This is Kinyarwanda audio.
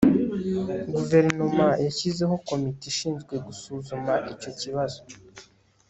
guverinoma yashyizeho komite ishinzwe gusuzuma icyo kibazo